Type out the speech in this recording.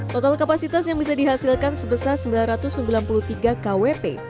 total kapasitas yang bisa dihasilkan sebesar sembilan ratus sembilan puluh tiga kwp